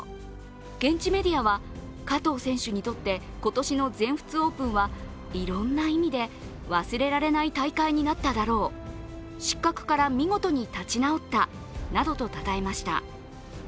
現地メディアは加藤選手にとって今年の全仏オープンはいろんな意味で忘れられない大会になっただろう、失格から見事に立ち直ったなどとたたえました。